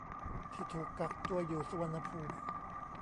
ที่ถูกกักตัวอยู่สุวรรณภูมิ